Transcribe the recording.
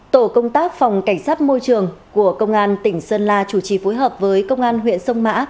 tổ công tác phòng cảnh sát môi trường của công an tỉnh sơn la chủ trì phối hợp với công an huyện sông mã